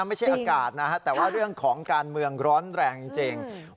ไม่ใช่อากาศนะฮะแต่ว่าเรื่องของการเมืองร้อนแรงจริง